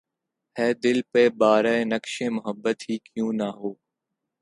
ہے دل پہ بار‘ نقشِ محبت ہی کیوں نہ ہو